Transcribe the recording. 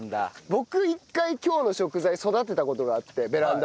僕１回今日の食材育てた事があってベランダで。